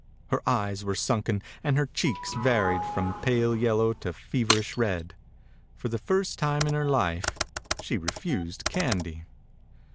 Her eyes were sunken and her cheeks varied from pale yellow to fever ish red. For the first time in her life she refused candy.